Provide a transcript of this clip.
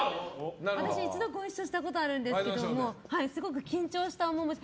私、一度ご一緒したことあるんですけどすごく緊張した面持ち。